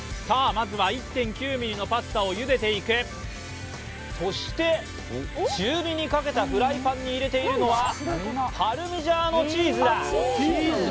まずは１．９ｍｍのパスタをゆでていくそして中火にかけたフライパンに入れているのはパルミジャーノチーズだ